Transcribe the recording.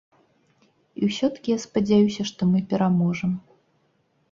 І ўсё-ткі я спадзяюся, што мы пераможам.